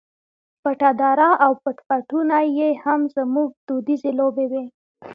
پټه دره او پټ پټونی یې هم زموږ دودیزې لوبې وې.